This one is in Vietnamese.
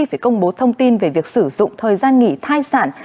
phải công bố thông tin về việc sử dụng thời gian nghỉ thai sản